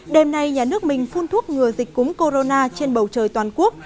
đêm nay nhà nước mình phun thuốc ngừa dịch cúng corona trên bầu trời toàn quốc